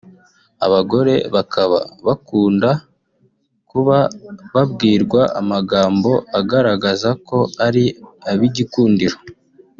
Abagore bakaba bakunda kuba babwirwa amagambo agaragaza ko ari abigikundiro